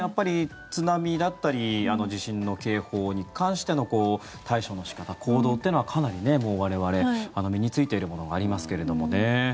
津波だったり地震の警報に関しての対処の仕方、行動というのはかなり、もう我々身に着いているものがありますけれどもね。